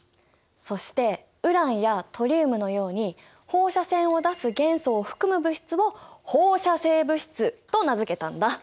そしてウランやトリウムのように放射線を出す元素を含む物質を放射性物質と名付けたんだ。